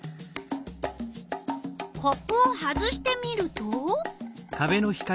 コップを外してみると。